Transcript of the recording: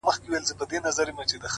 په سترگو دي ړنده سم- که بل چا ته درېږم-